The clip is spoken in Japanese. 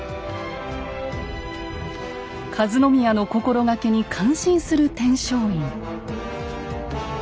和宮の心掛けに感心する天璋院。